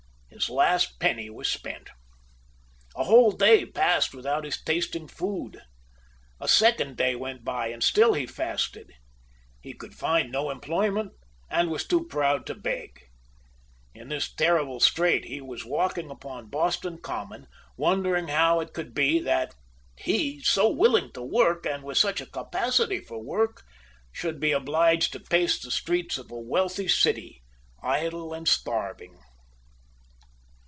His last penny was spent. A whole day passed without his tasting food. A second day went by, and still he fasted. He could find no employment, and was too proud to beg. In this terrible strait he was walking upon Boston Common, wondering how it could be that he, so willing to work, and with such a capacity for work, should be obliged to pace the streets of a wealthy city, idle and starving!